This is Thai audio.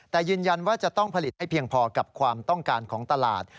แต่ยืนยันว่าจะต้องผลิตให้เพียงพอกับความต้องการของตลาด